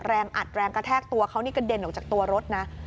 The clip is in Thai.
อัดแรงกระแทกตัวเขานี่กระเด็นออกจากตัวรถนะ